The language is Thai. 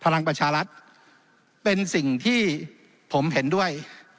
พลังประชารัฐเป็นสิ่งที่ผมเห็นด้วย